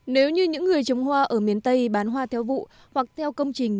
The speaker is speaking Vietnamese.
nếu như những người trồng hoa ở miền tây bán hoa theo vụ hoặc theo công trình